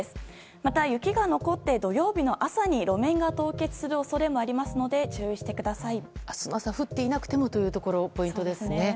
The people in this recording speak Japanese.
また雪が残って土曜日の朝に路面が凍結する恐れもありますので明日の朝降っていなくてもというところポイントですね。